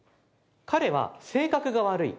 「彼は性格が悪い。